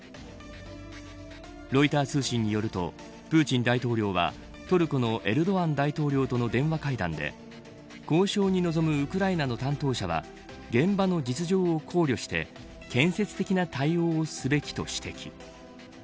ロイター通信によるとプーチン大統領はトルコのエルドアン大統領との電話会談で交渉に臨むウクライナの担当者は現場の実情を考慮して建設的な対応をすべきと指摘。